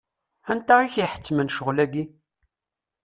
Anta i k-iḥettmen ccɣel-agi?